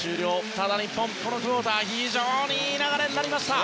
ただ日本、このクオーター非常にいい流れになりました！